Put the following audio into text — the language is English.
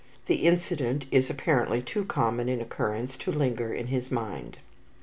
The incident is apparently too common an occurrence to linger in his mind.